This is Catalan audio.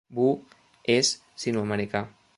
Wu és sinoamericà.